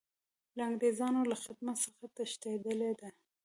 له انګریزانو له خدمت څخه تښتېدلی دی.